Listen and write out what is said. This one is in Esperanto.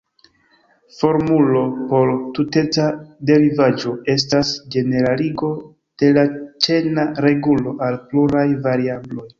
Formulo por tuteca derivaĵo estas ĝeneraligo de la ĉena regulo al pluraj variabloj.